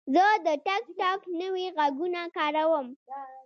زه د ټک ټاک نوي غږونه کاروم.